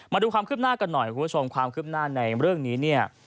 มาดูความขึ้นหน้ากันหน่อยคุณผู้ชมความขึ้นหน้าในเรื่องนี้